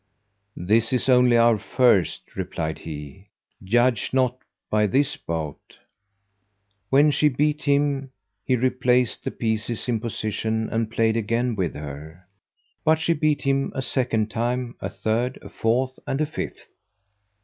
"This is only our first," replied he, "judge not by this bout." When she beat him he replaced the pieces in position and played again with her; but she beat him a second time, a third, a fourth and a fifth.